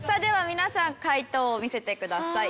皆さん解答を見せてください。